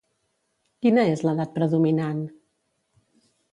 Quina és l'edat predominant?